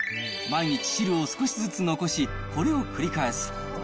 毎日、汁を少しずつ残し、これを繰り返す。